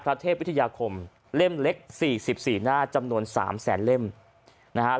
พระเทพวิทยาคมเล่มเล็กสี่สิบสี่หน้าจำนวนสามแสนเล่มนะครับ